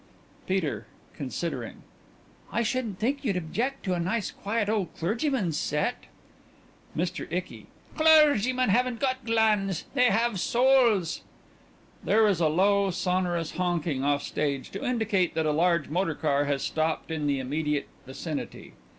PETER: (Considering) I shouldn't think you'd object to a nice quiet old clergyman's set. MR. ICKY: Clergymen haven't got glands they have souls. (_There is a low, sonorous honking off stage to indicate that a large motor car has stopped in the immediate vicinity.